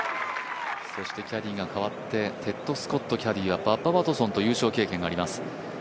キャディーが変わって、テッド・スコットキャディーは、バッバ・ワトソンと優勝経験があります。